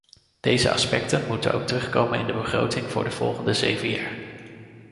Deze aspecten moeten ook terugkomen in de begroting voor de volgende zeven jaar.